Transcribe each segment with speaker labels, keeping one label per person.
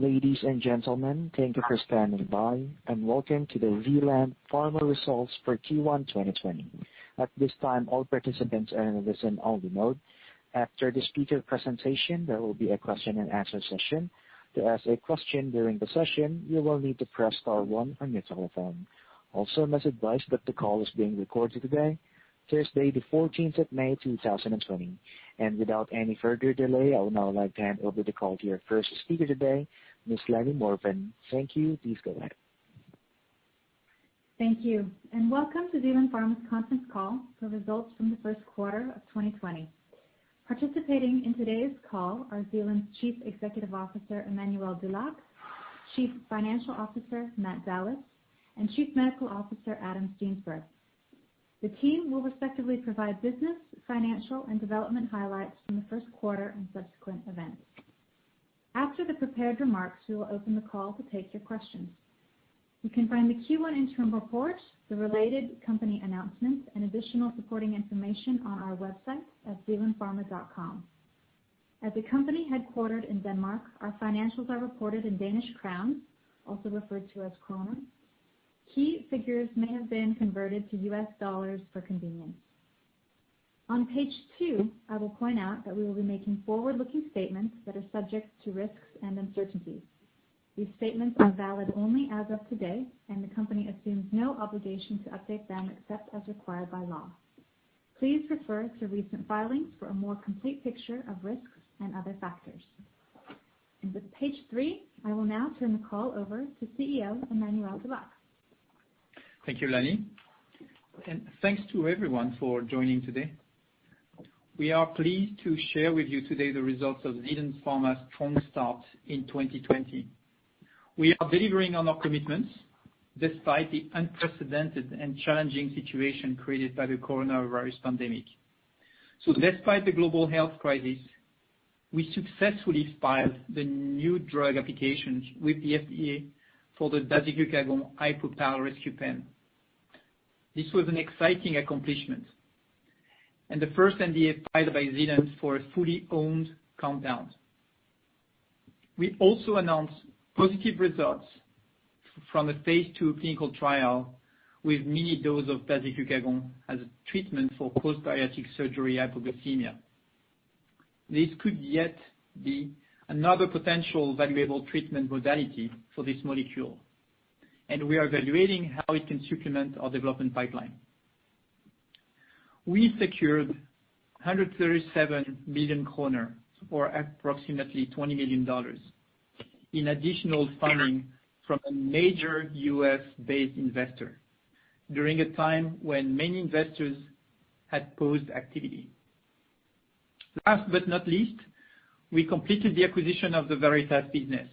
Speaker 1: Ladies and gentlemen, thank you for standing by, and welcome to the Zealand Pharma Results for Q1 2020. At this time, all participants are in a listen-only mode. After the speaker presentation, there will be a question-and-answer session. To ask a question during the session, you will need to press star one on your telephone. Also, it must be advised that the call is being recorded today. Today is May 14th, 2020. Without any further delay, I would now like to hand over the call to our first speaker today, Ms. Lani Pollack Segal. Thank you. Please go ahead. Thank you and welcome to Zealand Pharma's conference call for results from the first quarter of 2020. Participating in today's call are Zealand's Chief Executive Officer, Emmanuel Dulac, Chief Financial Officer, Matt Dallas, and Chief Medical Officer, Adam Steensberg. The team will respectively provide business, financial, and development highlights from the first quarter and subsequent events. After the prepared remarks, we will open the call to take your questions. You can find the Q1 interim report, the related company announcements, and additional supporting information on our website at zealandpharma.com. As a company headquartered in Denmark, our financials are reported in Danish crowns, also referred to as kroner. Key figures may have been converted to US dollars for convenience. On page two, I will point out that we will be making forward-looking statements that are subject to risks and uncertainties. These statements are valid only as of today, and the company assumes no obligation to update them except as required by law. Please refer to recent filings for a more complete picture of risks and other factors, and with page three, I will now turn the call over to CEO Emmanuel Dulac.
Speaker 2: Thank you, Lani. Thanks to everyone for joining today. We are pleased to share with you today the results of Zealand Pharma's strong start in 2020. We are delivering on our commitments despite the unprecedented and challenging situation created by the coronavirus pandemic. Despite the global health crisis, we successfully filed the new drug applications with the FDA for the dasiglucagon HypoPal Rescue Pen. This was an exciting accomplishment, and the first NDA filed by Zealand for a fully owned compound. We also announced positive results from the phase II clinical trial with mini-dose of dasiglucagon as a treatment for post-bariatric surgery hypoglycemia. This could yet be another potential valuable treatment modality for this molecule, and we are evaluating how it can supplement our development pipeline. We secured 137 million kroner, or approximately $20 million, in additional funding from a major U.S.-based investor during a time when many investors had paused activity. Last but not least, we completed the acquisition of the Valeritas business.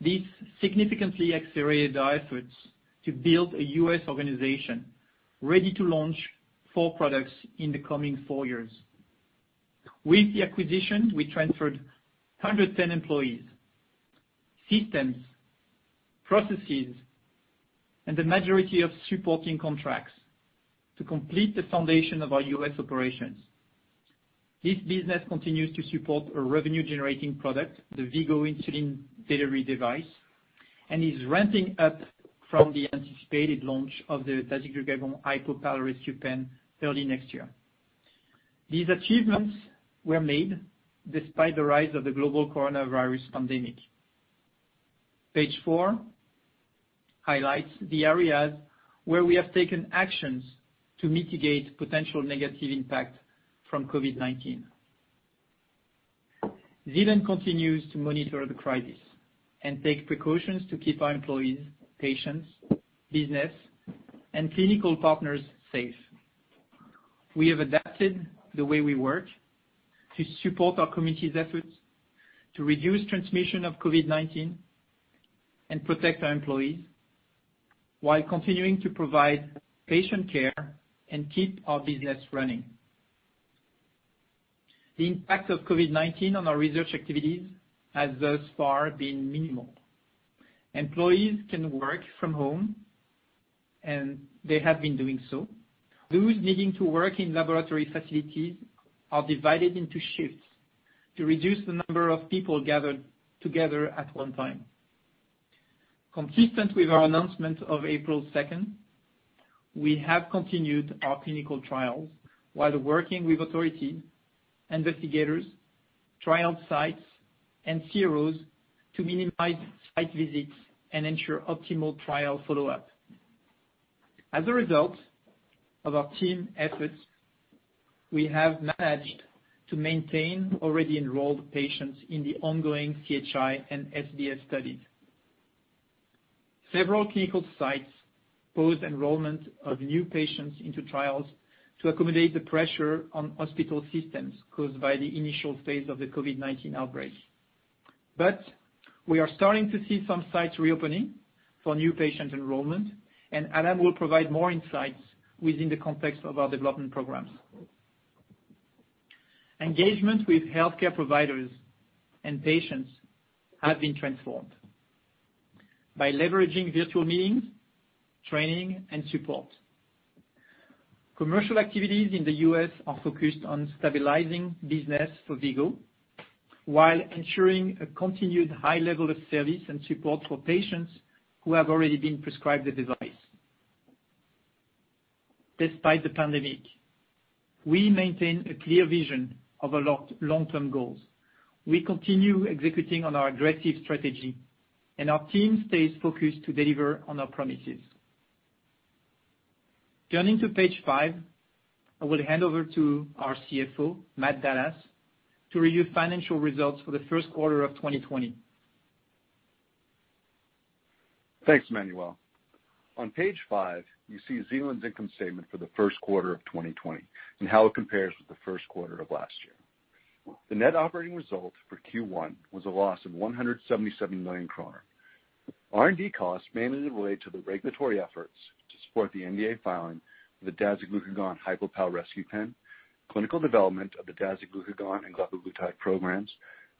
Speaker 2: This significantly accelerated our efforts to build a U.S. organization ready to launch four products in the coming four years. With the acquisition, we transferred 110 employees, systems, processes, and the majority of supporting contracts to complete the foundation of our U.S. operations. This business continues to support a revenue-generating product, the V-Go insulin delivery device, and is ramping up from the anticipated launch of the dasiglucagon HypoPal Rescue Pen early next year. These achievements were made despite the rise of the global coronavirus pandemic. Page four highlights the areas where we have taken actions to mitigate potential negative impact from COVID-19. Zealand continues to monitor the crisis and take precautions to keep our employees, patients, business, and clinical partners safe. We have adapted the way we work to support our community's efforts to reduce transmission of COVID-19 and protect our employees while continuing to provide patient care and keep our business running. The impact of COVID-19 on our research activities has thus far been minimal. Employees can work from home, and they have been doing so. Those needing to work in laboratory facilities are divided into shifts to reduce the number of people gathered together at one time. Consistent with our announcement of April 2nd, we have continued our clinical trials while working with authorities, investigators, trial sites, and CROs to minimize site visits and ensure optimal trial follow-up. As a result of our team efforts, we have managed to maintain already enrolled patients in the ongoing CHI and SBS studies. Several clinical sites paused enrollment of new patients into trials to accommodate the pressure on hospital systems caused by the initial phase of the COVID-19 outbreak. But we are starting to see some sites reopening for new patient enrollment, and Adam will provide more insights within the context of our development programs. Engagement with healthcare providers and patients has been transformed by leveraging virtual meetings, training, and support. Commercial activities in the U.S. are focused on stabilizing business for V-Go while ensuring a continued high level of service and support for patients who have already been prescribed the device. Despite the pandemic, we maintain a clear vision of our long-term goals. We continue executing on our aggressive strategy, and our team stays focused to deliver on our promises. Turning to page five, I will hand over to our CFO, Matt Dallas, to review financial results for the first quarter of 2020.
Speaker 3: Thanks, Emmanuel. On page five, you see Zealand's income statement for the first quarter of 2020 and how it compares with the first quarter of last year. The net operating result for Q1 was a loss of 177 million kroner. R&D costs mainly relate to the regulatory efforts to support the NDA filing for the dasiglucagon HypoPal Rescue Pen, clinical development of the dasiglucagon and glepaglutide programs,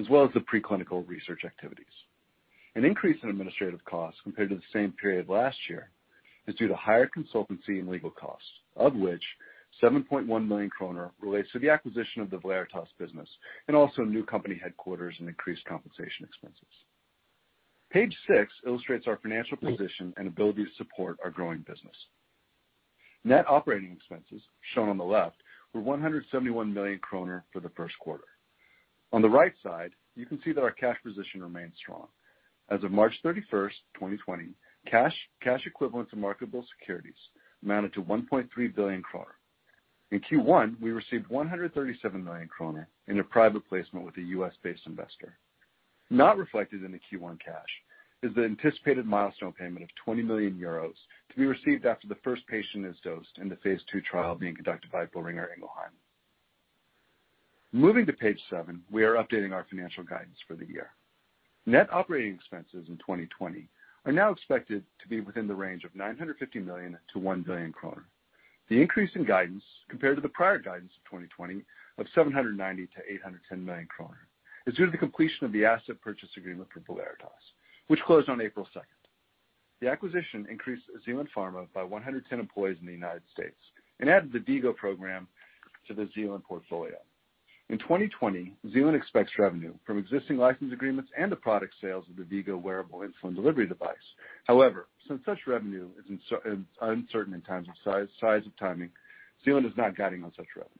Speaker 3: as well as the preclinical research activities. An increase in administrative costs compared to the same period last year is due to higher consultancy and legal costs, of which 7.1 million kroner relates to the acquisition of the Valeritas business and also new company headquarters and increased compensation expenses. Page six illustrates our financial position and ability to support our growing business. Net operating expenses, shown on the left, were 171 million kroner for the first quarter. On the right side, you can see that our cash position remains strong. As of March 31st, 2020, cash equivalents of marketable securities amounted to 1.3 billion kroner. In Q1, we received 137 million kroner in a private placement with a U.S.-based investor. Not reflected in the Q1 cash is the anticipated milestone payment of 20 million euros to be received after the first patient is dosed in the phase II trial being conducted by Boehringer Ingelheim. Moving to page seven, we are updating our financial guidance for the year. Net operating expenses in 2020 are now expected to be within the range of 950 million-1 billion kroner. The increase in guidance compared to the prior guidance of 2020 of 790 million-810 million kroner is due to the completion of the asset purchase agreement for Valeritas, which closed on April 2nd. The acquisition increased Zealand Pharma by 110 employees in the United States and added the V-Go program to the Zealand portfolio. In 2020, Zealand expects revenue from existing license agreements and the product sales of the V-Go wearable insulin delivery device. However, since such revenue is uncertain in terms of size or timing, Zealand is not guiding on such revenue.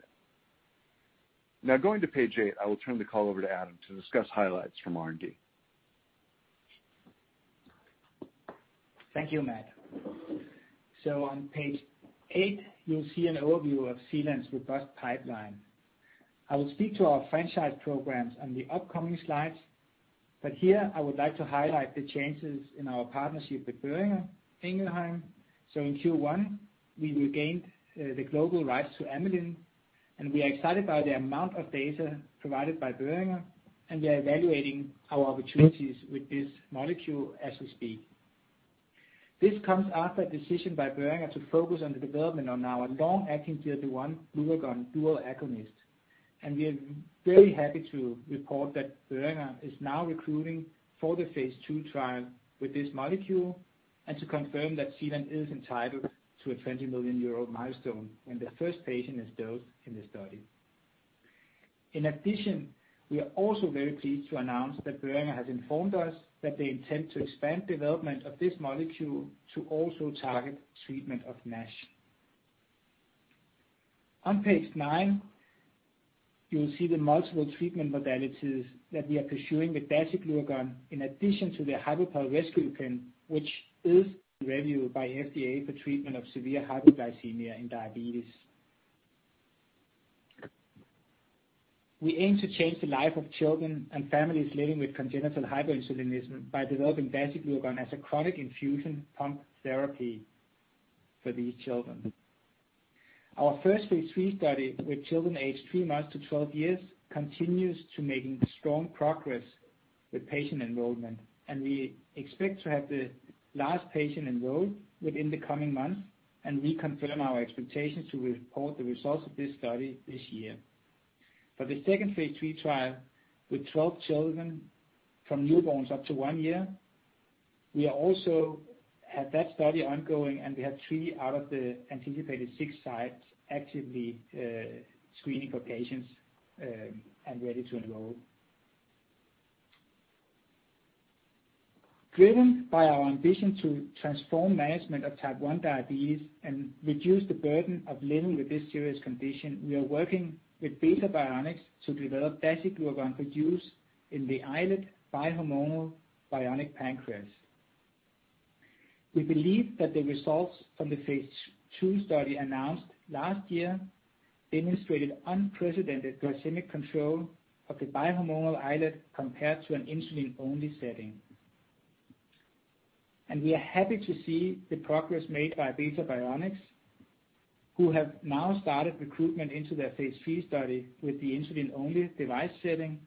Speaker 3: Now, going to page eight, I will turn the call over to Adam to discuss highlights from R&D.
Speaker 1: Thank you, Matt. So, on page eight, you'll see an overview of Zealand's robust pipeline. I will speak to our franchise programs on the upcoming slides, but here, I would like to highlight the changes in our partnership with Boehringer Ingelheim. So, in Q1, we regained the global rights to amylin, and we are excited by the amount of data provided by Boehringer, and we are evaluating our opportunities with this molecule as we speak. This comes after a decision by Boehringer to focus on the development of our long-acting GLP-1 glucagon dual agonist, and we are very happy to report that Boehringer is now recruiting for the phase II trial with this molecule and to confirm that Zealand is entitled to a 20 million euro milestone when the first patient is dosed in the study. In addition, we are also very pleased to announce that Boehringer has informed us that they intend to expand development of this molecule to also target treatment of NASH. On page nine, you'll see the multiple treatment modalities that we are pursuing with dasiglucagon in addition to the HypoPal Rescue Pen, which is reviewed by FDA for treatment of severe hypoglycemia in diabetes. We aim to change the life of children and families living with congenital hyperinsulinism by developing dasiglucagon as a chronic infusion pump therapy for these children. Our first phase III study with children aged three months to 12 years continues to make strong progress with patient enrollment, and we expect to have the last patient enrolled within the coming months and reconfirm our expectations to report the results of this study this year. For the second phase III trial with 12 children from newborns up to one year, we are also at that study ongoing, and we have three out of the anticipated six sites actively screening for patients and ready to enroll. Driven by our ambition to transform management of type 1 diabetes and reduce the burden of living with this serious condition, we are working with Beta Bionics to develop dasiglucagon for use in the iLet bi-hormonal bionic pancreas. We believe that the results from the phase II study announced last year demonstrated unprecedented glycemic control of the bi-hormonal iLet compared to an insulin-only setting. We are happy to see the progress made by Beta Bionics, who have now started recruitment into their phase III study with the insulin-only device setting,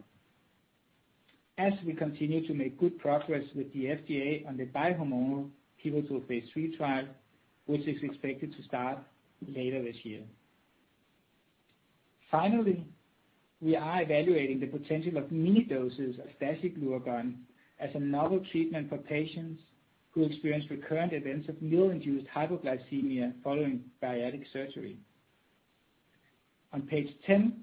Speaker 1: as we continue to make good progress with the FDA on the bi-hormonal pivotal phase III trial, which is expected to start later this year. Finally, we are evaluating the potential of mini-doses of dasiglucagon as a novel treatment for patients who experience recurrent events of meal-induced hypoglycemia following bariatric surgery. On page 10,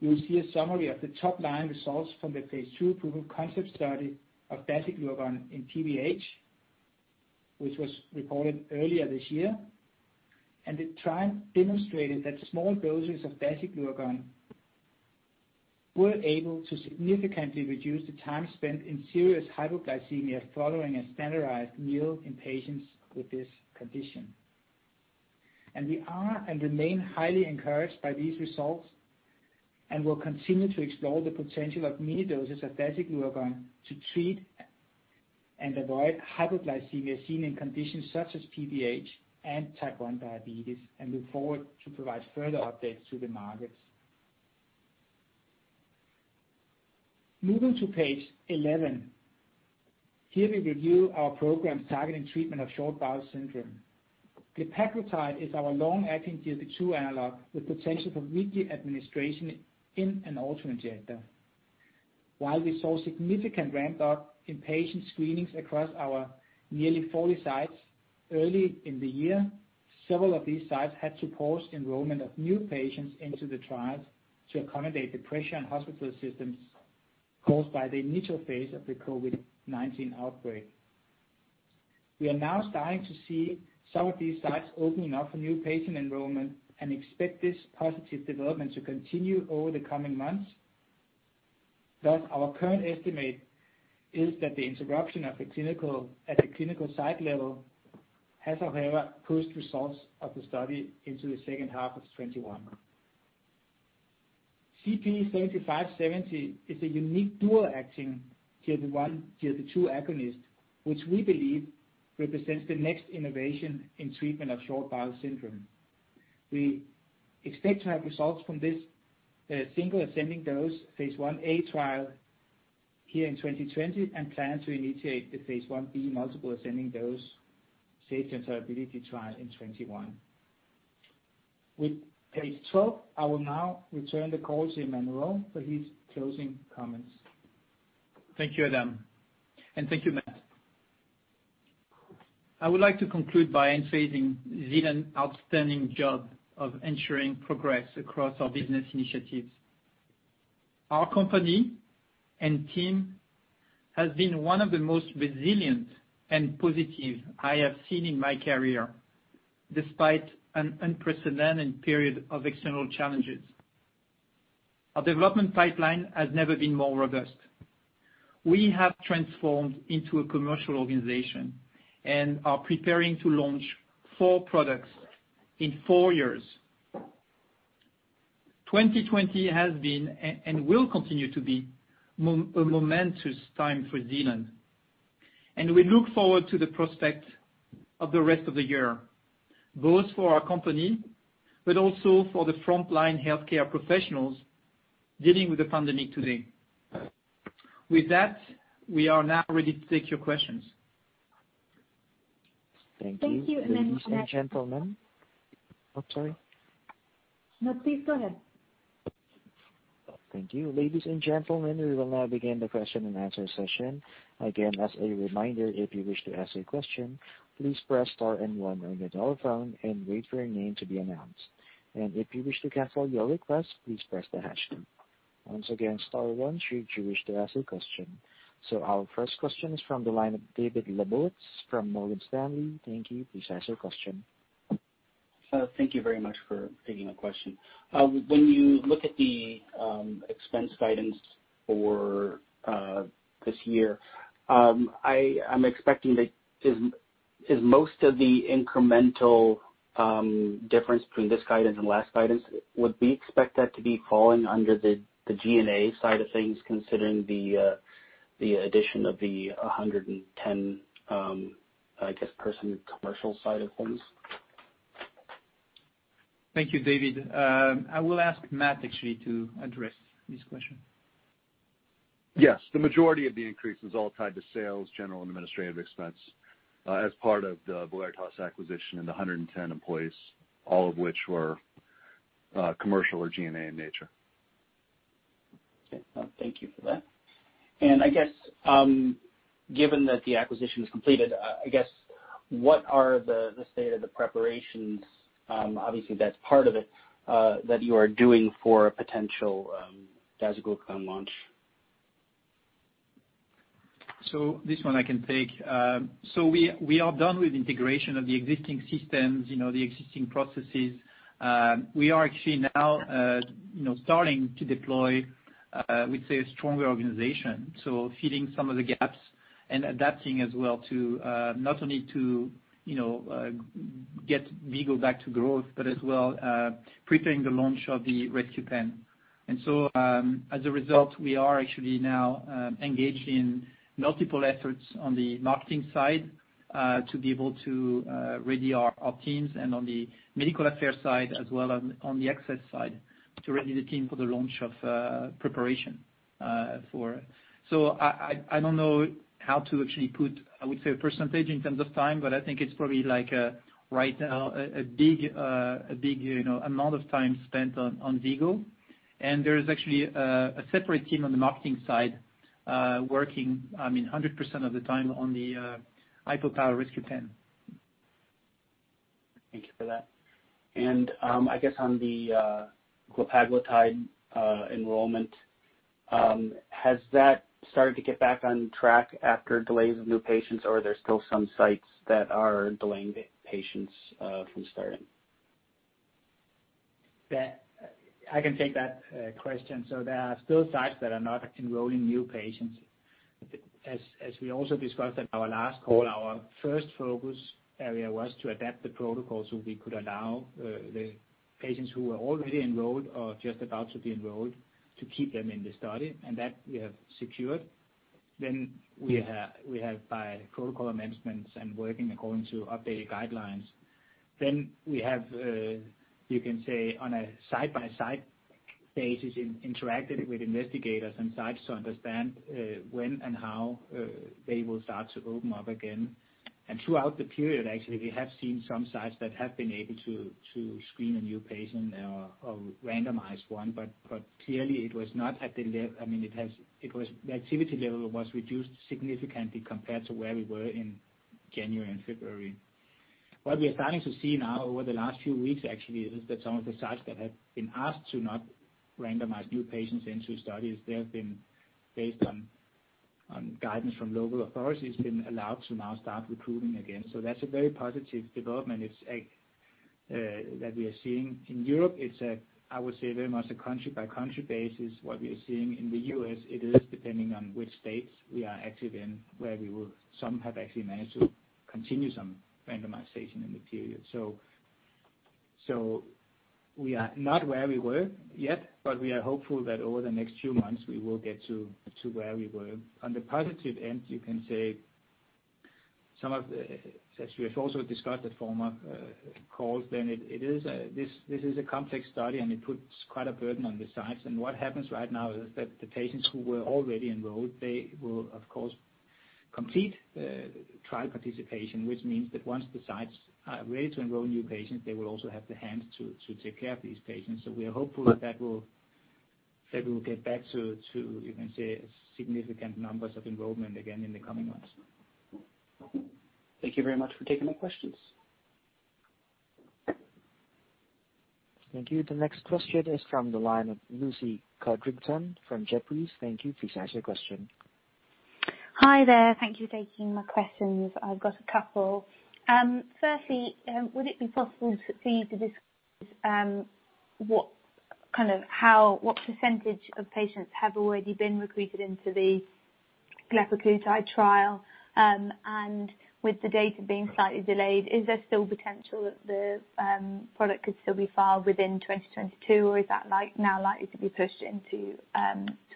Speaker 1: you'll see a summary of the top-line results from the phase II proof of concept study of dasiglucagon in PBH, which was reported earlier this year, and the trial demonstrated that small doses of dasiglucagon were able to significantly reduce the time spent in serious hypoglycemia following a standardized meal in patients with this condition. We are and remain highly encouraged by these results and will continue to explore the potential of mini-doses of dasiglucagon to treat and avoid hypoglycemia seen in conditions such as PBH and type 1 diabetes, and look forward to provide further updates to the markets. Moving to page 11, here we review our programs targeting treatment of short bowel syndrome. Glepaglutide is our long-acting GLP-2 analog with potential for weekly administration in an autoinjector. While we saw significant ramp-up in patient screenings across our nearly 40 sites early in the year, several of these sites had to pause enrollment of new patients into the trials to accommodate the pressure on hospital systems caused by the initial phase of the COVID-19 outbreak. We are now starting to see some of these sites opening up for new patient enrollment and expect this positive development to continue over the coming months. Thus, our current estimate is that the interruption at the clinical site level has, however, pushed results of the study into the second half of 2021. ZP7570 is a unique dual-acting GLP-1, GLP-2 agonist, which we believe represents the next innovation in treatment of short bowel syndrome. We expect to have results from this single ascending dose phase IA trial here in 2020 and plan to initiate the phase IB multiple ascending dose safety and tolerability trial in 2021. With page 12, I will now return the call to Emmanuel for his closing comments. Thank you, Adam, and thank you, Matt. I would like to conclude by emphasizing Zealand's outstanding job of ensuring progress across our business initiatives. Our company and team have been one of the most resilient and positive I have seen in my career, despite an unprecedented period of external challenges. Our development pipeline has never been more robust. We have transformed into a commercial organization and are preparing to launch four products in four years. 2020 has been and will continue to be a momentous time for Zealand, and we look forward to the prospect of the rest of the year, both for our company but also for the frontline healthcare professionals dealing with the pandemic today. With that, we are now ready to take your questions.
Speaker 4: Thank you. Thank you, ladies and gentlemen. Oh, sorry. No, please go ahead. Thank you. Ladies and gentlemen, we will now begin the question and answer session. Again, as a reminder, if you wish to ask a question, please press star and one on your dial phone and wait for your name to be announced. And if you wish to cancel your request, please press the hash. Once again, star one should you wish to ask a question. So our first question is from the line of David Lebowitz from Morgan Stanley. Thank you. Please ask your question. Thank you very much for taking my question. When you look at the expense guidance for this year, I'm expecting that most of the incremental difference between this guidance and last guidance would be expected to be falling under the G&A side of things, considering the addition of the 110, I guess, person commercial side of things.
Speaker 2: Thank you, David. I will ask Matt, actually, to address this question.
Speaker 3: Yes. The majority of the increase is all tied to sales, general, and administrative expense as part of the Valeritas acquisition and the 110 employees, all of which were commercial or G&A in nature. Okay. Thank you for that. And I guess, given that the acquisition is completed, I guess, what are the state of the preparations? Obviously, that's part of it that you are doing for a potential dasiglucagon launch.
Speaker 2: This one I can take. We are done with integration of the existing systems, the existing processes. We are actually now starting to deploy, I would say, a stronger organization, so filling some of the gaps and adapting as well not only to get V-Go back to growth, but as well preparing the launch of the Rescue Pen. As a result, we are actually now engaged in multiple efforts on the marketing side to be able to ready our teams and on the medical affairs side as well as on the access side to ready the team for the launch of preparation. I don't know how to actually put, I would say, a percentage in terms of time, but I think it's probably like right now a big amount of time spent on V-Go. There is actually a separate team on the marketing side working, I mean, 100% of the time on the HypoPal Rescue Pen. Thank you for that. And I guess on the glepaglutide enrollment, has that started to get back on track after delays of new patients, or are there still some sites that are delaying patients from starting?
Speaker 1: I can take that question. So there are still sites that are not enrolling new patients. As we also discussed at our last call, our first focus area was to adapt the protocol so we could allow the patients who were already enrolled or just about to be enrolled to keep them in the study, and that we have secured. Then we have, by protocol management and working according to updated guidelines, you can say, on a side-by-side basis, interacted with investigators and sites to understand when and how they will start to open up again. And throughout the period, actually, we have seen some sites that have been able to screen a new patient or randomize one, but clearly, it was not at the level I mean, the activity level was reduced significantly compared to where we were in January and February. What we are starting to see now over the last few weeks, actually, is that some of the sites that have been asked to not randomize new patients into studies have been, based on guidance from local authorities, been allowed to now start recruiting again. So that's a very positive development that we are seeing. In Europe, it's, I would say, very much a country-by-country basis. What we are seeing in the US, it is depending on which states we are active in, where we will some have actually managed to continue some randomization in the period. So we are not where we were yet, but we are hopeful that over the next few months, we will get to where we were. On the positive end, you can say, as we have also discussed at former calls, then this is a complex study, and it puts quite a burden on the sites, and what happens right now is that the patients who were already enrolled, they will, of course, complete trial participation, which means that once the sites are ready to enroll new patients, they will also have the hands to take care of these patients, so we are hopeful that we will get back to, you can say, significant numbers of enrollment again in the coming months. Thank you very much for taking my questions.
Speaker 4: Thank you. The next question is from the line of Lucy Codrington from Jefferies. Thank you. Please ask your question.
Speaker 5: Hi there. Thank you for taking my questions. I've got a couple. Firstly, would it be possible for you to discuss what kind of percentage of patients have already been recruited into the glepaglutide trial? And with the data being slightly delayed, is there still potential that the product could still be filed within 2022, or is that now likely to be pushed into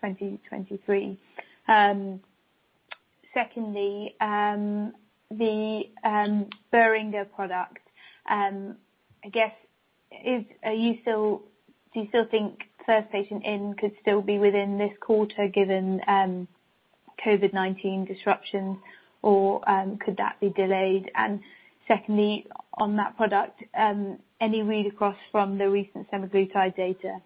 Speaker 5: 2023? Secondly, the Boehringer product, I guess, do you still think first patient in could still be within this quarter given COVID-19 disruptions, or could that be delayed? And secondly, on that product, any read across from the recent semaglutide data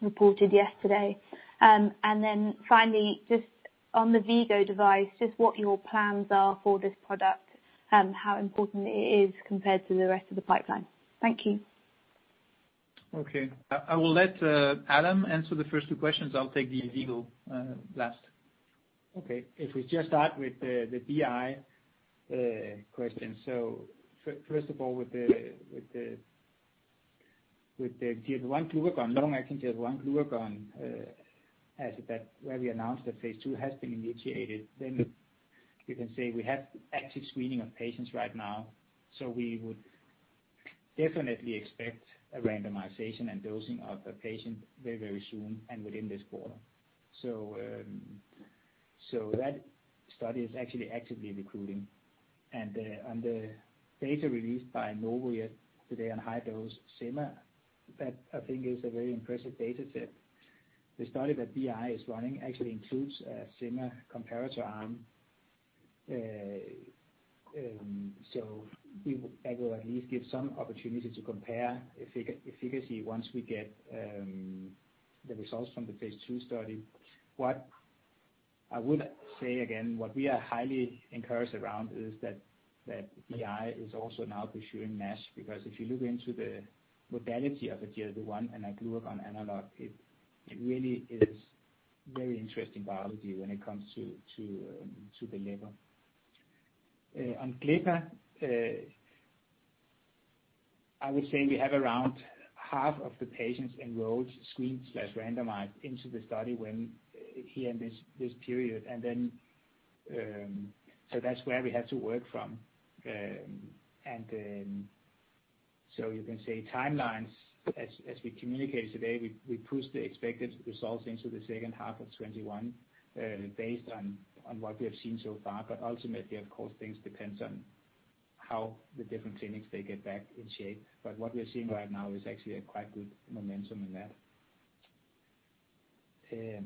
Speaker 5: reported yesterday? And then finally, just on the V-Go device, just what your plans are for this product, how important it is compared to the rest of the pipeline? Thank you.
Speaker 2: Okay. I will let Adam answer the first two questions. I'll take the V-Go last.
Speaker 1: Okay. If we just start with the BI question, so first of all, with the GLP-1, long-acting GLP-1, where we announced that phase II has been initiated, then you can say we have active screening of patients right now. So we would definitely expect a randomization and dosing of a patient very, very soon and within this quarter. So that study is actually actively recruiting. And on the data released by Novo yesterday on high-dose semaglutide, that I think is a very impressive data set. The study that BI is running actually includes a semaglutide comparator arm. So that will at least give some opportunity to compare efficacy once we get the results from the phase II study. I would say, again, what we are highly encouraged around is that BI is also now pursuing NASH because if you look into the modality of a GLP-1 and a GLP-1 analog, it really is very interesting biology when it comes to the liver. On glepaglutide, I would say we have around half of the patients enrolled, screened/randomized into the study here in this period. And then so that's where we have to work from. And so you can say timelines, as we communicated today, we push the expected results into the second half of 2021 based on what we have seen so far. But ultimately, of course, things depend on how the different clinics get back in shape. But what we're seeing right now is actually a quite good momentum in that.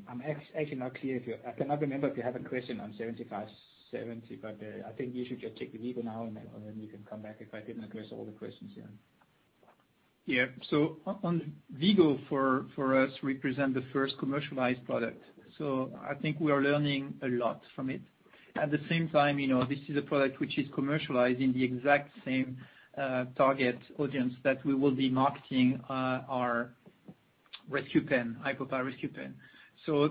Speaker 1: I'm actually not clear if you're. I cannot remember if you have a question on 7570, but I think you should just take the V-Go now, and then we can come back if I didn't address all the questions here.
Speaker 2: Yeah. So V-Go for us represents the first commercialized product. So I think we are learning a lot from it. At the same time, this is a product which is commercialized in the exact same target audience that we will be marketing our Rescue Pen, HypoPal Rescue Pen. So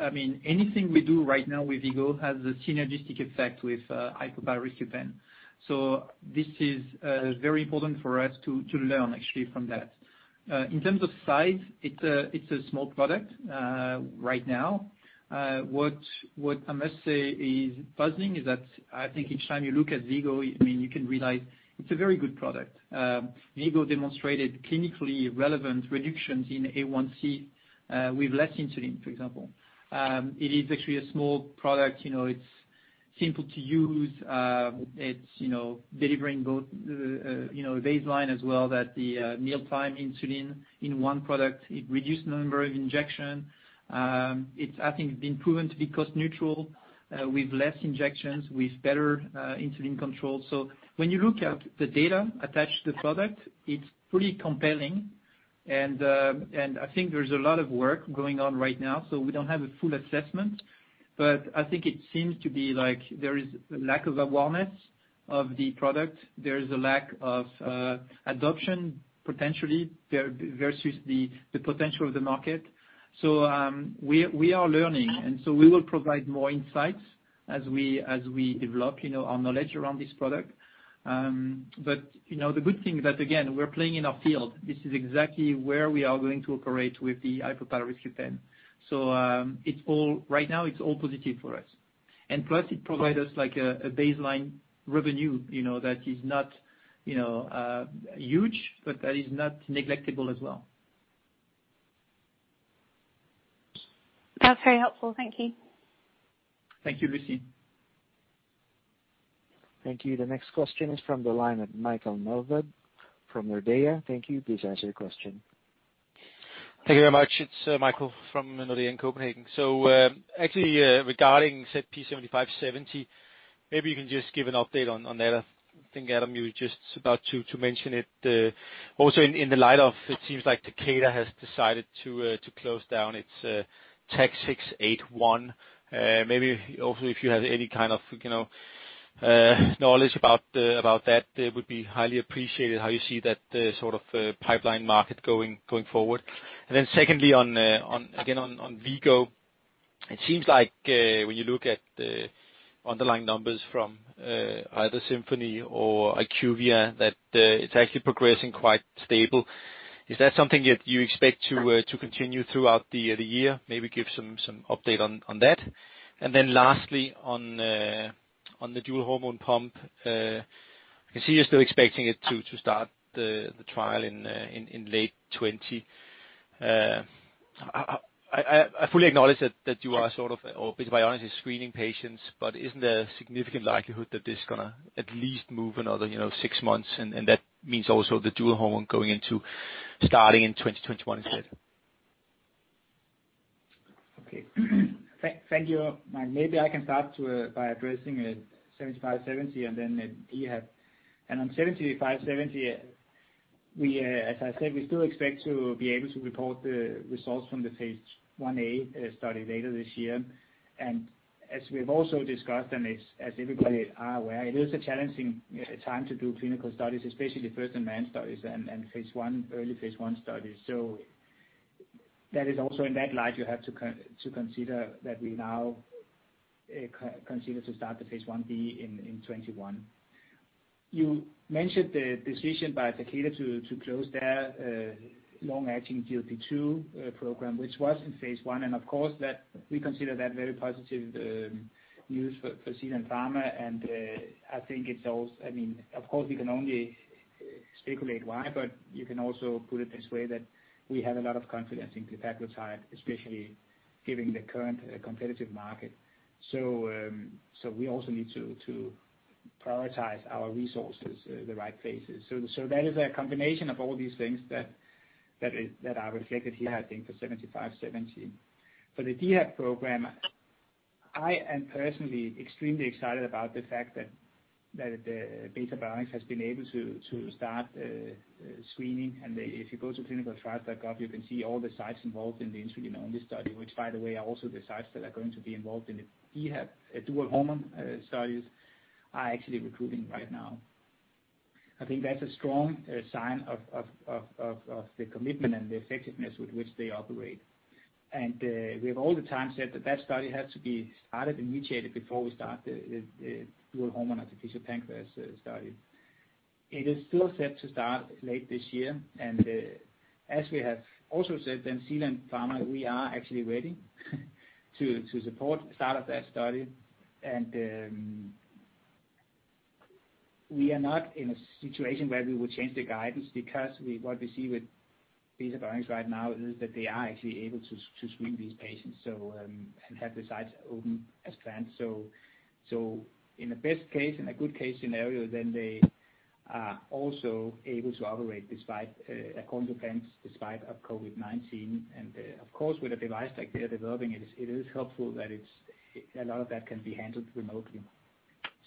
Speaker 2: I mean, anything we do right now with V-Go has a synergistic effect with HypoPal Rescue Pen. So this is very important for us to learn, actually, from that. In terms of size, it's a small product right now. What I must say is puzzling is that I think each time you look at V-Go, I mean, you can realize it's a very good product. V-Go demonstrated clinically relevant reductions in A1C with less insulin, for example. It is actually a small product. It's simple to use. It's delivering both a basal as well as the mealtime insulin in one product. It reduced the number of injections. It's, I think, been proven to be cost-neutral with less injections, with better insulin control. So when you look at the data attached to the product, it's pretty compelling. I think there's a lot of work going on right now, so we don't have a full assessment. But I think it seems to be like there is a lack of awareness of the product. There is a lack of adoption potentially versus the potential of the market. So we are learning, and so we will provide more insights as we develop our knowledge around this product. But the good thing is that, again, we're playing in our field. This is exactly where we are going to operate with the HypoPal Rescue Pen. So right now, it's all positive for us. And plus, it provides us a baseline revenue that is not huge, but that is not neglectable as well.
Speaker 5: That's very helpful. Thank you.
Speaker 2: Thank you, Lucy.
Speaker 4: Thank you. The next question is from the line of Michael Novod from Nordea. Thank you. Please answer your question.
Speaker 6: Thank you very much. It's Michael Novod from Nordea in Copenhagen. So actually, regarding ZP7570, maybe you can just give an update on that. I think, Adam, you were just about to mention it. Also, in the light of it seems like Takeda has decided to close down its TAK-671. Maybe also, if you have any kind of knowledge about that, it would be highly appreciated how you see that sort of pipeline market going forward. And then secondly, again, on V-Go, it seems like when you look at underlying numbers from either Symphony or IQVIA, that it's actually progressing quite stable. Is that something that you expect to continue throughout the year? Maybe give some update on that. And then lastly, on the dual hormone pump, I can see you're still expecting it to start the trial in late 2020.
Speaker 3: I fully acknowledge that you are sort of, or at least be honest, screening patients, but isn't there a significant likelihood that this is going to at least move another six months? And that means also the dual hormone going into starting in 2021 instead.
Speaker 1: Okay. Thank you. Maybe I can start by addressing 7570 and then DHAP, and on 7570, as I said, we still expect to be able to report the results from the phase IA study later this year, and as we have also discussed, and as everybody is aware, it is a challenging time to do clinical studies, especially first-in-man studies and early phase I studies, so that is also in that light, you have to consider that we now consider to start the phase IB in 2021. You mentioned the decision by Takeda to close their long-acting GLP-2 program, which was in phase I. And of course, we consider that very positive news for Zealand Pharma. I think it's all. I mean, of course, we can only speculate why, but you can also put it this way that we have a lot of confidence in glepaglutide, especially given the current competitive market. We also need to prioritize our resources in the right places. That is a combination of all these things that are reflected here, I think, for 7570. For the DHAP program, I am personally extremely excited about the fact that Beta Bionics has been able to start screening. If you go to clinicaltrials.gov, you can see all the sites involved in the insulin-only study, which, by the way, are also the sites that are going to be involved in the DHAP dual hormone studies, are actually recruiting right now. I think that's a strong sign of the commitment and the effectiveness with which they operate. We have all the time said that that study has to be started, initiated before we start the dual-hormone artificial pancreas study. It is still set to start late this year. As we have also said, then Zealand Pharma, we are actually ready to support the start of that study. We are not in a situation where we would change the guidance because what we see with Beta Bionics right now is that they are actually able to screen these patients and have the sites open as planned. In the best case, in a good-case scenario, then they are also able to operate according to plans despite COVID-19. Of course, with a device like they're developing, it is helpful that a lot of that can be handled remotely.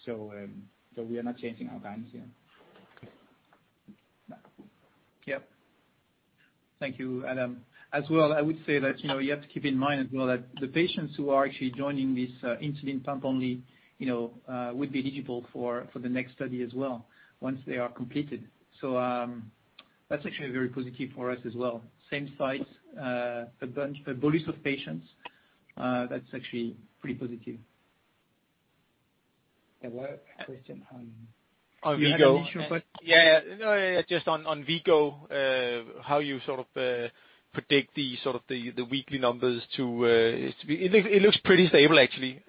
Speaker 1: We are not changing our guidance here. Thank you, Adam. As well, I would say that you have to keep in mind as well that the patients who are actually joining this insulin pump only would be eligible for the next study as well once they are completed. So that's actually very positive for us as well. Same sites, a pool of patients, that's actually pretty positive. What question?
Speaker 3: Oh, V-Go.
Speaker 1: Yeah, yeah.
Speaker 3: No, just on V-Go, how you sort of predict the weekly numbers? It looks pretty stable, actually,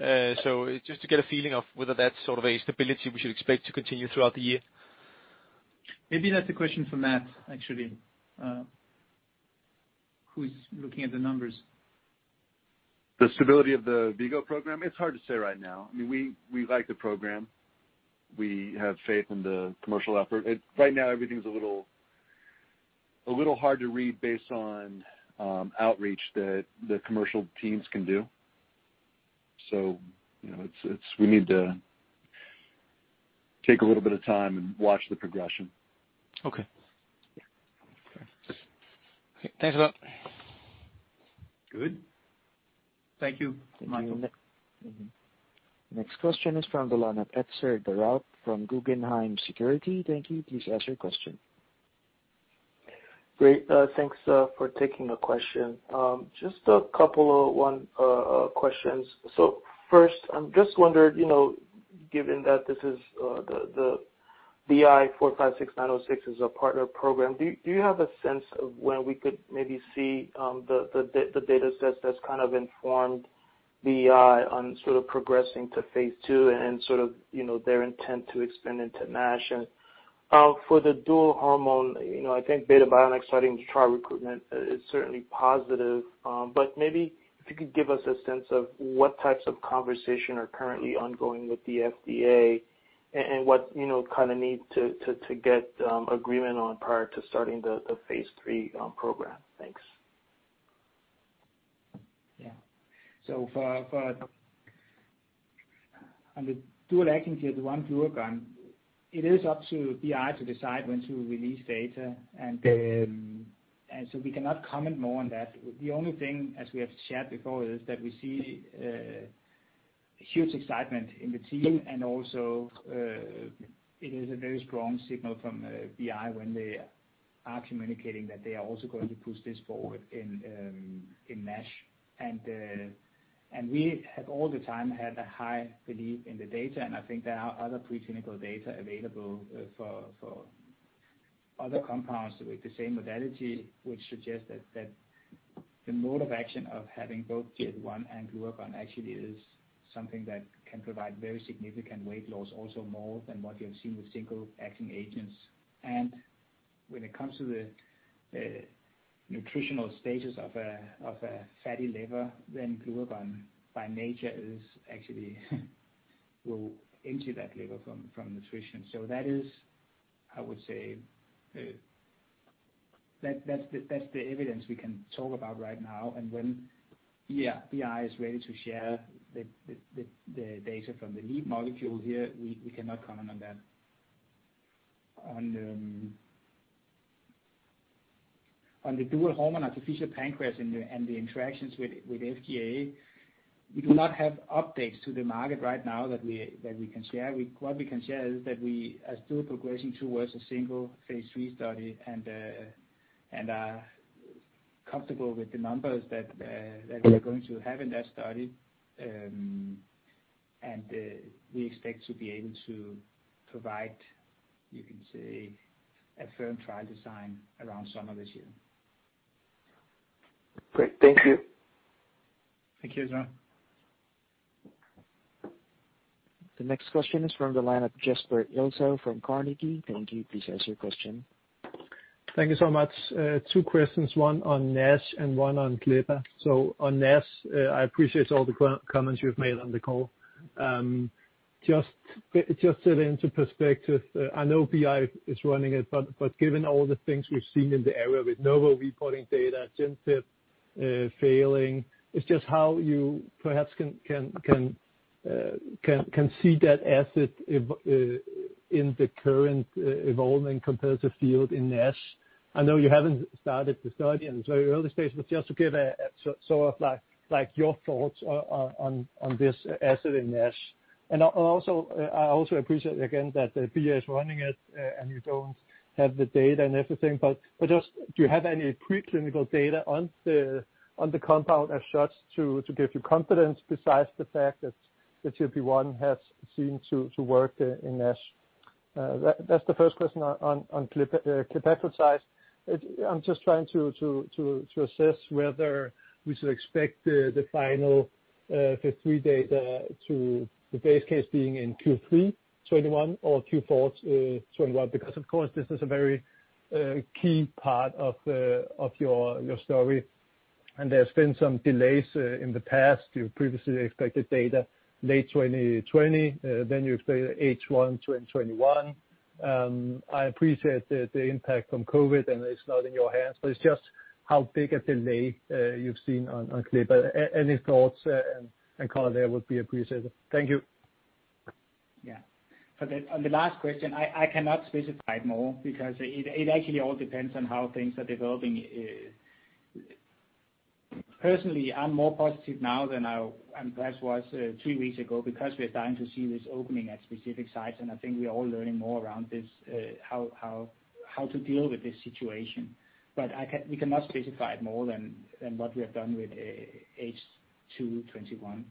Speaker 3: so just to get a feeling of whether that's sort of a stability we should expect to continue throughout the year.
Speaker 1: Maybe that's a question for Matt, actually, who's looking at the numbers.
Speaker 2: The stability of the V-Go program? It's hard to say right now. I mean, we like the program. We have faith in the commercial effort. Right now, everything's a little hard to read based on outreach that the commercial teams can do. So we need to take a little bit of time and watch the progression.
Speaker 6: Okay. Thanks a lot.
Speaker 1: Good. Thank you, Michael.
Speaker 4: Next question is from the line of Etzer Darout from Guggenheim Securities. Thank you. Please ask your question. Great. Thanks for taking the question. Just a couple of questions. So first, I'm just wondering, given that this is the BI 456906, is a partner program, do you have a sense of when we could maybe see the data sets that's kind of informed BI on sort of progressing to phase II and sort of their intent to expand into NASH? And for the dual hormone, I think Beta Bionics starting trial recruitment is certainly positive. But maybe if you could give us a sense of what types of conversations are currently ongoing with the FDA and what kind of need to get agreement on prior to starting the phase III program. Thanks.
Speaker 1: Yeah. So for the dual-acting GLP-1, glucagon, it is up to BI to decide when to release data. And so we cannot comment more on that. The only thing, as we have shared before, is that we see huge excitement in the team. And also, it is a very strong signal from BI when they are communicating that they are also going to push this forward in NASH. And we have all the time had a high belief in the data. And I think there are other preclinical data available for other compounds with the same modality, which suggests that the mode of action of having both GLP-1 and glucagon actually is something that can provide very significant weight loss, also more than what you have seen with single-acting agents. When it comes to the nutritional status of a fatty liver, then glucagon by nature is actually will empty that liver from nutrition. So that is, I would say, that's the evidence we can talk about right now. When BI is ready to share the data from the lead molecule here, we cannot comment on that. On the dual hormone artificial pancreas and the interactions with FDA, we do not have updates to the market right now that we can share. What we can share is that we are still progressing towards a single phase III study and are comfortable with the numbers that we are going to have in that study. We expect to be able to provide, you can say, a firm trial design around summer this year. Great. Thank you. Thank you, as well.
Speaker 4: The next question is from the line of Jesper Ilsøe from Carnegie. Thank you. Please ask your question. Thank you so much. Two questions, one on NASH and one on glepaglutide. So on NASH, I appreciate all the comments you've made on the call. Just to put it into perspective, I know BI is running it, but given all the things we've seen in the area with Novo reporting data, Genfit failing, it's just how you perhaps can see that asset in the current evolving competitive field in NASH? I know you haven't started the study; it's in its very early stages, but just to get sort of your thoughts on this asset in NASH. And I also appreciate, again, that BI is running it and you don't have the data and everything. But do you have any preclinical data on the compound as such to give you confidence besides the fact that GLP-1 has seemed to work in NASH? That's the first question on glepaglutide. I'm just trying to assess whether we should expect the final phase III data, the base case being in Q3 2021 or Q4 2021, because, of course, this is a very key part of your story. And there's been some delays in the past. You previously expected data late 2020, then you expected H1 2021. I appreciate the impact from COVID, and it's not in your hands, but it's just how big a delay you've seen on glepaglutide. Any thoughts and comments there would be appreciated. Thank you.
Speaker 1: Yeah. On the last question, I cannot specify more because it actually all depends on how things are developing. Personally, I'm more positive now than I perhaps was three weeks ago because we are starting to see this opening at specific sites, and I think we're all learning more around this, how to deal with this situation, but we cannot specify more than what we have done with H2 21.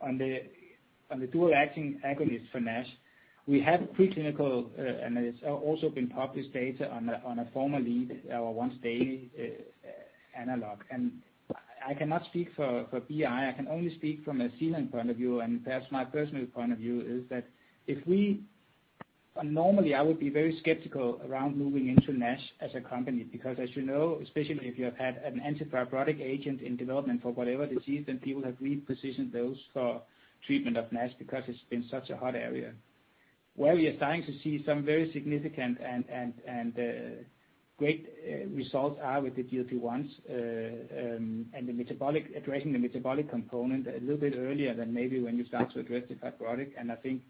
Speaker 1: On the dual-acting agonist for NASH, we have preclinical, and it's also been published data on a former lead, our once-daily analog, and I cannot speak for BI. I can only speak from a Zealand point of view. Perhaps my personal point of view is that if we normally, I would be very skeptical around moving into NASH as a company because, as you know, especially if you have had an anti-fibrotic agent in development for whatever disease, then people have repositioned those for treatment of NASH because it's been such a hot area. Where we are starting to see some very significant and great results are with the GLP-1s and addressing the metabolic component a little bit earlier than maybe when you start to address the fibrotic. I think,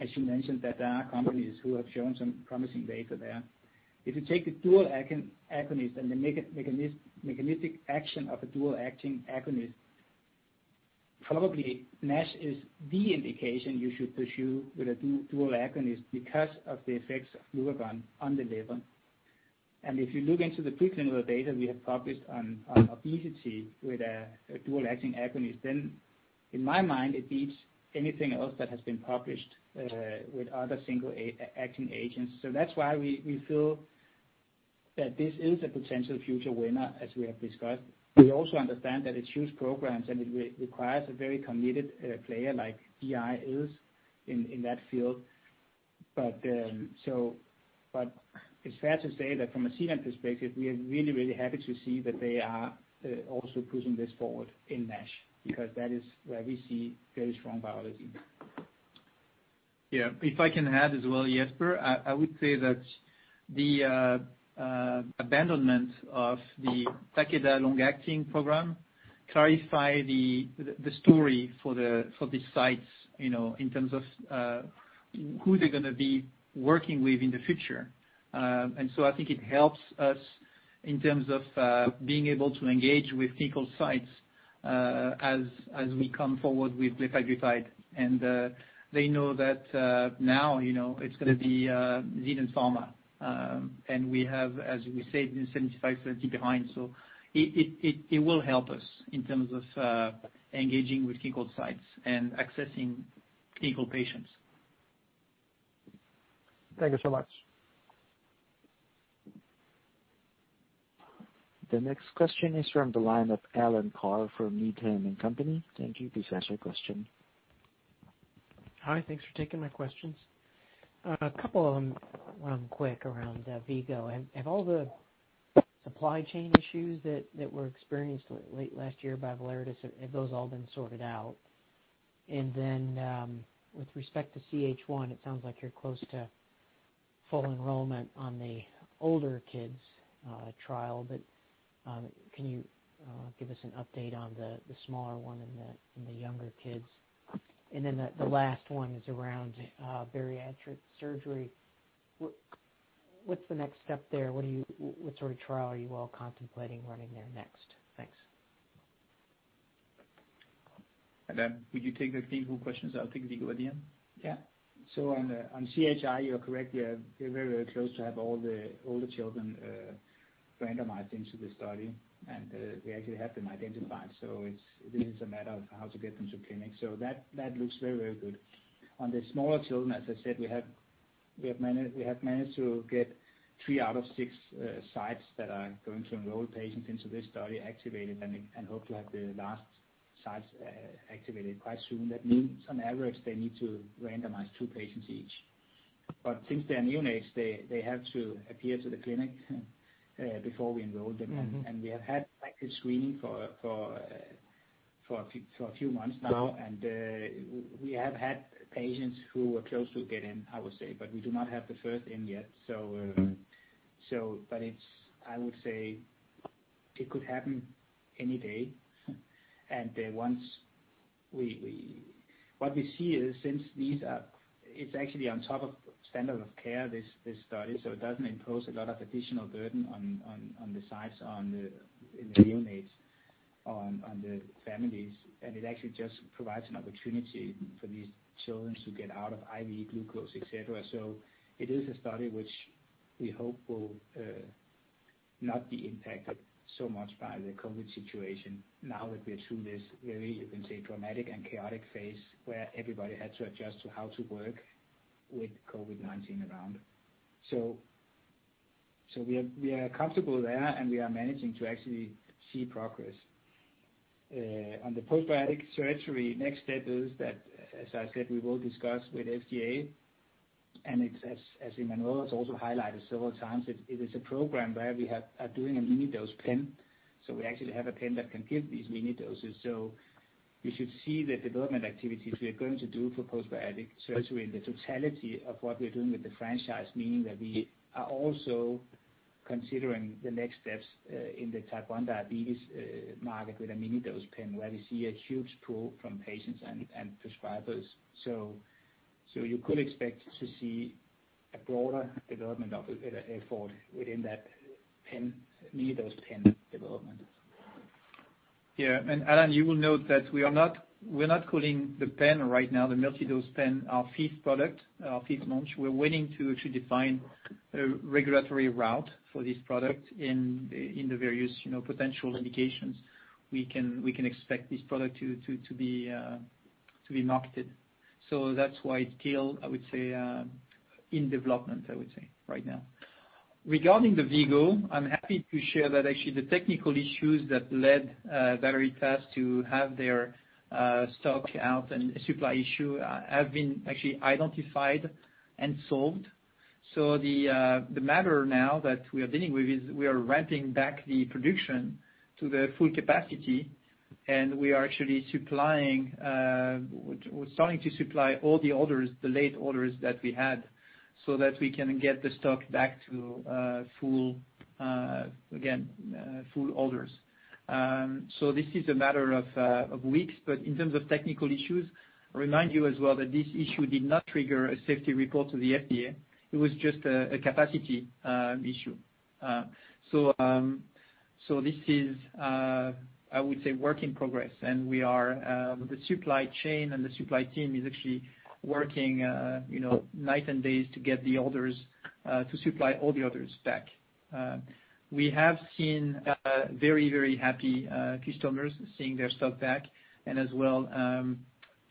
Speaker 1: as you mentioned, that there are companies who have shown some promising data there. If you take the dual-agonist and the mechanistic action of a dual-acting agonist, probably NASH is the indication you should pursue with a dual-agonist because of the effects of glucagon on the liver. And if you look into the preclinical data we have published on obesity with a dual-acting agonist, then in my mind, it beats anything else that has been published with other single-acting agents. So that's why we feel that this is a potential future winner, as we have discussed. We also understand that it's a huge program and it requires a very committed player like BI is in that field. But it's fair to say that from a standpoint perspective, we are really, really happy to see that they are also pushing this forward in NASH because that is where we see very strong biology.
Speaker 3: Yeah. If I can add as well, Jesper, I would say that the abandonment of the Takeda long-acting program clarifies the story for these sites in terms of who they're going to be working with in the future. And so I think it helps us in terms of being able to engage with clinical sites as we come forward with glepaglutide. And they know that now it's going to be Zealand Pharma. And we have, as we said, been ZP7570 behind. So it will help us in terms of engaging with clinical sites and accessing clinical patients. Thank you so much.
Speaker 4: The next question is from the line of Alan Carr from Needham & Company. Thank you. Please ask your question.
Speaker 7: Hi. Thanks for taking my questions. A couple of them quick around V-Go. Have all the supply chain issues that were experienced late last year by Valeritas, have those all been sorted out? And then with respect to CHI, it sounds like you're close to full enrollment on the older kids' trial. But can you give us an update on the smaller one and the younger kids? And then the last one is around bariatric surgery. What's the next step there? What sort of trial are you all contemplating running there next? Thanks.
Speaker 2: Adam, would you take the clinical questions? I'll take V-Go at the end.
Speaker 1: Yeah. So on CHI, you're correct. We are very, very close to have all the children randomized into the study. And we actually have them identified. So this is a matter of how to get them to clinic. So that looks very, very good. On the smaller children, as I said, we have managed to get three out of six sites that are going to enroll patients into this study activated and hope to have the last sites activated quite soon. That means on average, they need to randomize two patients each. But since they are neonates, they have to appear to the clinic before we enroll them. And we have had active screening for a few months now. And we have had patients who were close to getting, I would say, but we do not have the first in yet. But I would say it could happen any day. And what we see is since these are, it's actually on top of standard of care, this study. So it doesn't impose a lot of additional burden on the sites in the neonates, on the families. And it actually just provides an opportunity for these children to get out of IV glucose, etc. So it is a study which we hope will not be impacted so much by the COVID situation now that we are through this very, you can say, dramatic and chaotic phase where everybody had to adjust to how to work with COVID-19 around. So we are comfortable there, and we are managing to actually see progress. On the post-bariatric surgery, next step is that, as I said, we will discuss with FDA. And as Emmanuel has also highlighted several times, it is a program where we are doing a mini-dose pen. So we actually have a pen that can give these mini-doses. So we should see the development activities we are going to do for post-bariatric surgery in the totality of what we're doing with the franchise, meaning that we are also considering the next steps in the type 1 diabetes market with a mini-dose pen where we see a huge pull from patients and prescribers. So you could expect to see a broader development of effort within that mini-dose pen development.
Speaker 3: Yeah. Adam, you will note that we are not calling the pen right now, the multi-dose pen, our fifth product, our fifth launch. We're waiting to actually define a regulatory route for this product in the various potential indications we can expect this product to be marketed. That's why it's still, I would say, in development, I would say, right now. Regarding the V-Go, I'm happy to share that actually the technical issues that led Valeritas to have their stock out and supply issue have been actually identified and solved. The matter now that we are dealing with is we are ramping back the production to the full capacity. We are actually starting to supply all the orders, the late orders that we had, so that we can get the stock back to, again, full orders. This is a matter of weeks. But in terms of technical issues, remind you as well that this issue did not trigger a safety report to the FDA. It was just a capacity issue. So this is, I would say, a work in progress. And the supply chain and the supply team is actually working night and day to get the orders to supply all the orders back. We have seen very, very happy customers seeing their stock back. And as well,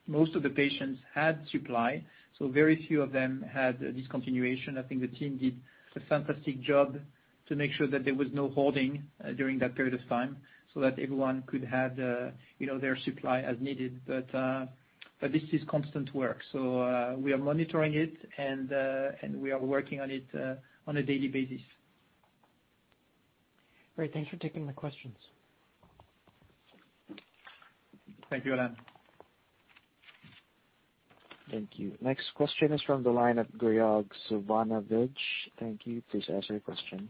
Speaker 3: most of the patients had supply. So very few of them had discontinuation. I think the team did a fantastic job to make sure that there was no holding during that period of time so that everyone could have their supply as needed. But this is constant work. So we are monitoring it, and we are working on it on a daily basis.
Speaker 7: Great. Thanks for taking my questions.
Speaker 2: Thank you, Alan.
Speaker 4: Thank you. Next question is from the line of Graig Suvannavejh. Thank you. Please answer your question.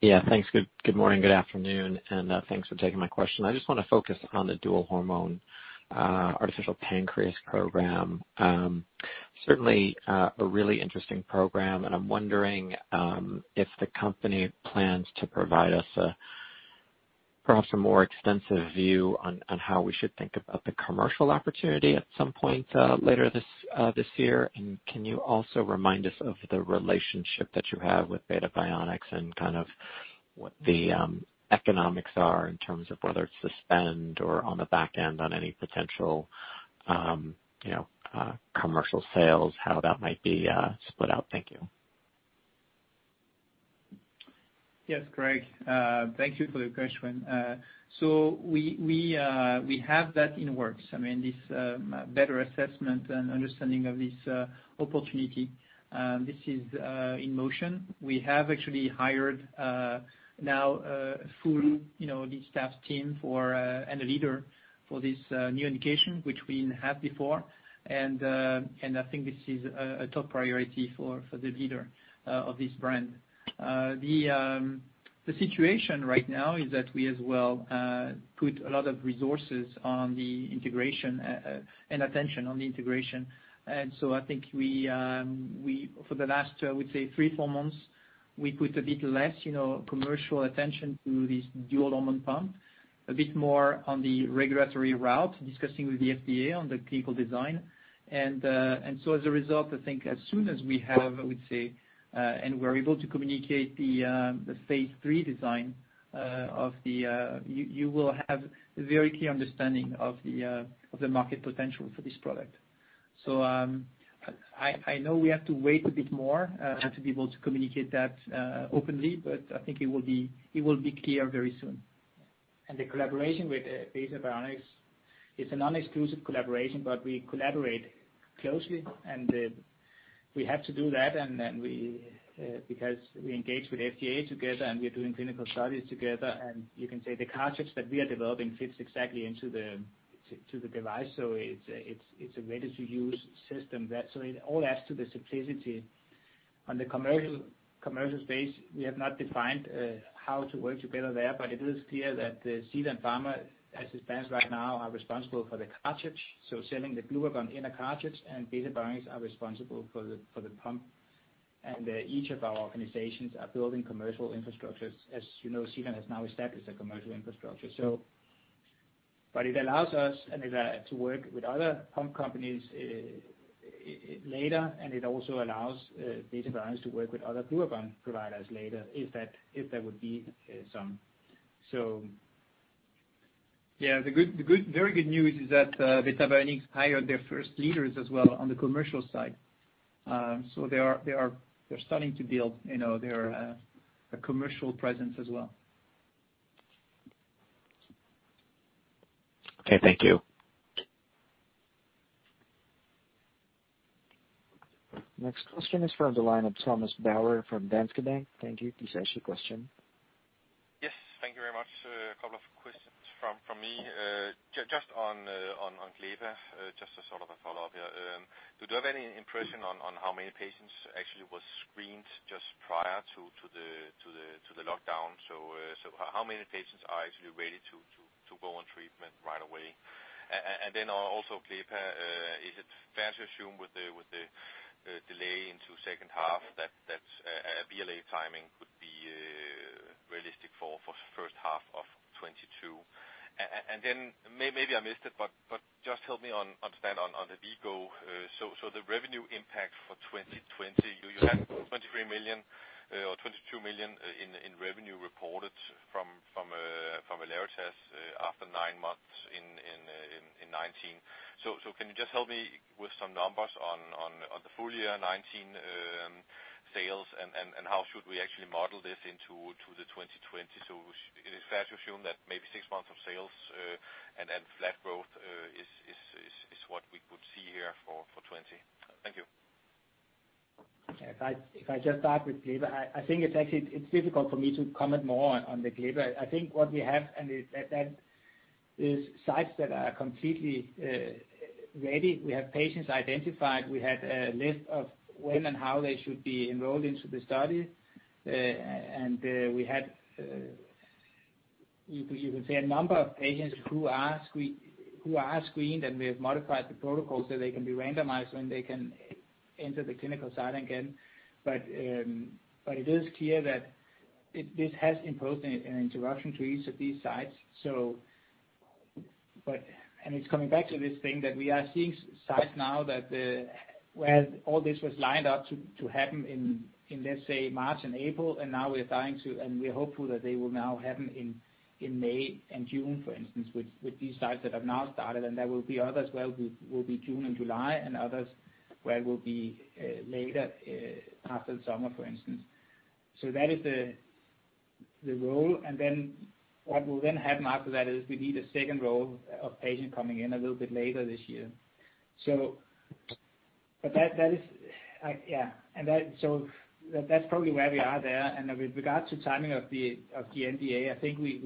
Speaker 4: Yeah. Thanks. Good morning, good afternoon, and thanks for taking my question. I just want to focus on the dual-hormone artificial pancreas program. Certainly, a really interesting program. And I'm wondering if the company plans to provide us perhaps a more extensive view on how we should think about the commercial opportunity at some point later this year. And can you also remind us of the relationship that you have with Beta Bionics and kind of what the economics are in terms of whether it's suspend or on the back end on any potential commercial sales, how that might be split out? Thank you.
Speaker 3: Yes, Greg. Thank you for the question. So we have that in works. I mean, this better assessment and understanding of this opportunity. This is in motion. We have actually hired now a full lead staff team and a leader for this new indication, which we didn't have before. And I think this is a top priority for the leader of this brand. The situation right now is that we as well put a lot of resources on the integration and attention on the integration. And so I think for the last, I would say, three, four months, we put a bit less commercial attention to this dual-hormone pump, a bit more on the regulatory route, discussing with the FDA on the clinical design. And so, as a result, I think as soon as we have, I would say, and we're able to communicate the phase III design of the trial. You will have a very clear understanding of the market potential for this product. So I know we have to wait a bit more to be able to communicate that openly, but I think it will be clear very soon.
Speaker 1: And the collaboration with Beta Bionics is a non-exclusive collaboration, but we collaborate closely. We have to do that because we engage with FDA together, and we're doing clinical studies together. You can say the cartridge that we are developing fits exactly into the device. So it's a ready-to-use system. So it all adds to the simplicity. On the commercial space, we have not defined how to work together there, but it is clear that Zealand Pharma, as it stands right now, are responsible for the cartridge. So selling the glucagon in a cartridge, and Beta Bionics are responsible for the pump. And each of our organizations are building commercial infrastructures. As you know, Zealand Pharma has now established a commercial infrastructure. But it allows us to work with other pump companies later, and it also allows Beta Bionics to work with other glucagon providers later if there would be some. So.
Speaker 3: Yeah. The very good news is that Beta Bionics hired their first leaders as well on the commercial side. So they're starting to build their commercial presence as well. Okay. Thank you.
Speaker 4: Next question is from the line of Thomas Bowers from Danske Bank. Thank you. Please ask your question.
Speaker 8: Yes. Thank you very much. A couple of questions from me. Just on glepaglutide, just as sort of a follow-up here. Do you have any impression on how many patients actually were screened just prior to the lockdown? So how many patients are actually ready to go on treatment right away? And then also glepaglutide, is it fair to assume with the delay into second half that a BLA timing could be realistic for the first half of 2022? And then maybe I missed it, but just help me understand on the V-Go. So the revenue impact for 2020, you had $23 million or $22 million in revenue reported from Valeritas after nine months in 2019. So can you just help me with some numbers on the full year 2019 sales? And how should we actually model this into the 2020? So it is fair to assume that maybe six months of sales and flat growth is what we could see here for 2020. Thank you.
Speaker 1: If I just start with glepaglutide, I think it's difficult for me to comment more on the glepaglutide. I think what we have is sites that are completely ready. We have patients identified. We had a list of when and how they should be enrolled into the study. And we had, you can say, a number of patients who are screened, and we have modified the protocol so they can be randomized when they can enter the clinical site again. But it is clear that this has imposed an interruption to each of these sites. And it's coming back to this thing that we are seeing sites now where all this was lined up to happen in, let's say, March and April. And now we are starting to, and we're hopeful that they will now happen in May and June, for instance, with these sites that have now started. And there will be others where it will be June and July and others where it will be later after the summer, for instance. So that is the roll. And then what will then happen after that is we need a second roll of patients coming in a little bit later this year. But that is, yeah. And so that's probably where we are there. And with regard to timing of the NDA, I think we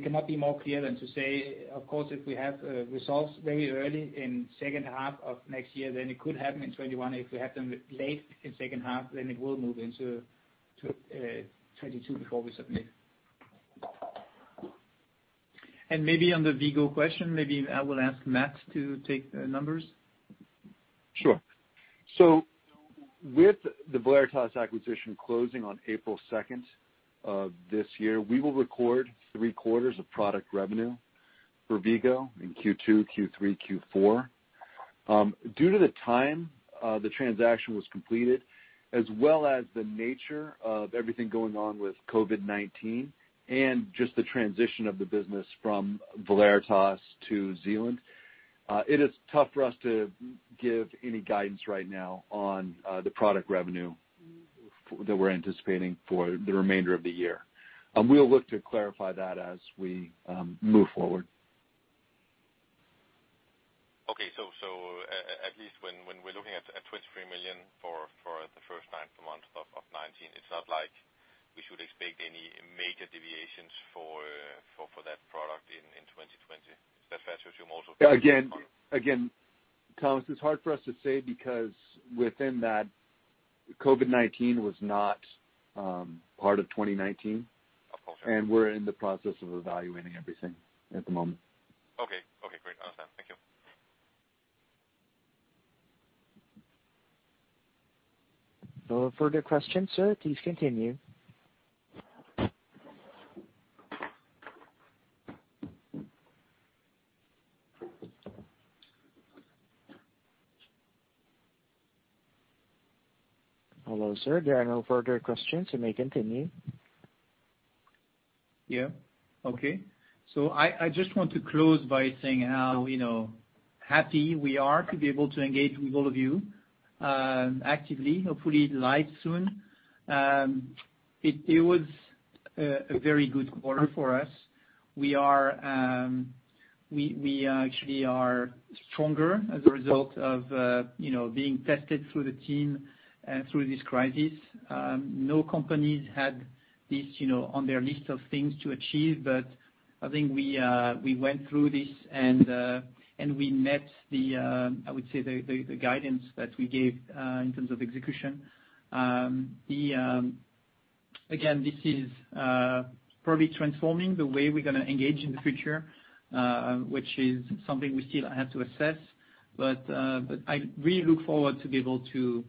Speaker 1: cannot be more clear than to say, of course, if we have results very early in second half of next year, then it could happen in 2021. If we have them late in second half, then it will move into 2022 before we submit. And maybe on the V-Go question, maybe I will ask Matt to take the numbers.
Speaker 3: Sure. So with the Valeritas acquisition closing on April 2nd of this year, we will record three-quarters of product revenue for V-Go in Q2, Q3, Q4. Due to the time the transaction was completed, as well as the nature of everything going on with COVID-19 and just the transition of the business from Valeritas to Zealand, it is tough for us to give any guidance right now on the product revenue that we're anticipating for the remainder of the year. We'll look to clarify that as we move forward.
Speaker 8: Okay. So at least when we're looking at 23 million for the first nine months of 2019, it's not like we should expect any major deviations for that product in 2020. Is that fair to assume also?
Speaker 3: Again, Thomas, it's hard for us to say because within that, COVID-19 was not part of 2019, and we're in the process of evaluating everything at the moment.
Speaker 8: Okay. Okay. Great. I understand. Thank you.
Speaker 4: No further questions, sir. Please continue. Hello, sir. There are no further questions. You may continue.
Speaker 2: Yeah. Okay. So I just want to close by saying how happy we are to be able to engage with all of you actively, hopefully live soon. It was a very good quarter for us. We actually are stronger as a result of being tested through the team and through this crisis. No companies had this on their list of things to achieve, but I think we went through this and we met, I would say, the guidance that we gave in terms of execution. Again, this is probably transforming the way we're going to engage in the future, which is something we still have to assess. But I really look forward to be able to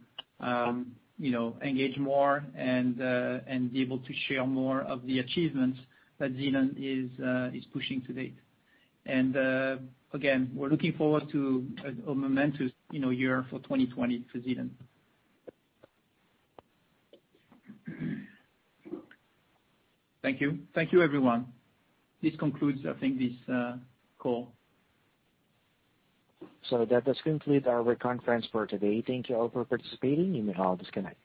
Speaker 2: engage more and be able to share more of the achievements that Zealand is pushing to date. And again, we're looking forward to a momentous year for 2020 for Zealand. Thank you.
Speaker 3: Thank you, everyone. This concludes, I think, this call.
Speaker 4: That concludes our conference for today. Thank you all for participating. You may all disconnect.